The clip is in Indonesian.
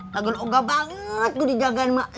lagu lagu banget gue di jagain mbak